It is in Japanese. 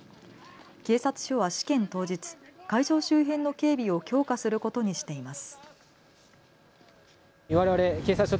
警察署は試験当日、会場周辺の警備を強化することにしています。